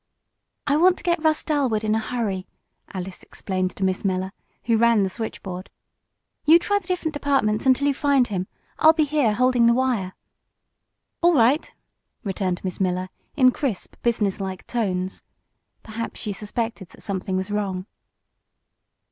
"I want to get Russ Dalwood in a hurry," Alice explained to Miss Miller, who ran the switchboard. "You try the different departments until you find him. I'll be here, holding the wire." "All right!" returned Miss Miller, in crisp, business like tones. Perhaps she suspected that something was wrong.